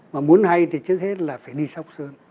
mà muốn hay thì trước hết là phải đi sóc sơn